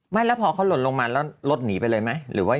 ไม่แล้วพอเขาหล่นลงมาแล้วรถหนีไปเลยไหมหรือว่า